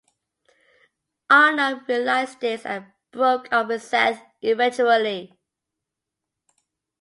Anna realised this and broke up with Seth eventually.